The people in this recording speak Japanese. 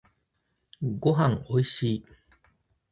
ごはんおいしい。